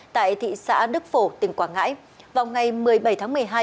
tại thị xã đức phổ tỉnh quảng ngãi vào ngày một mươi bảy tháng một mươi hai